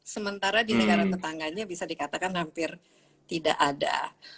sementara di negara tetangganya bisa dikatakan hampir tidak ada